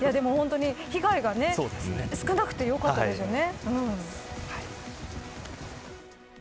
被害が少なくてよかったですね。